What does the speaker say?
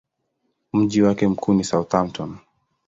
Mji wake mkuu ni Southampton.